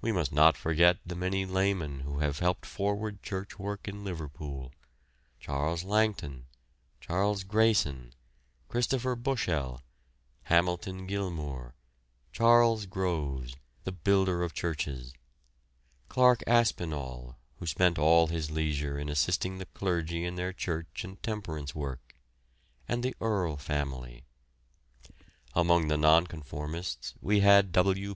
We must not forget the many laymen who have helped forward church work in Liverpool: Charles Langton, Charles Grayson, Christopher Bushell, Hamilton Gilmour, Charles Groves, the builder of churches; Clarke Aspinall, who spent all his leisure in assisting the clergy in their church and temperance work; and the Earle family. Among the nonconformists we had W.